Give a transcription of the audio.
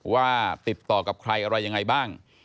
ว่าติดต่อกับใครอะไรยังไงบ้าง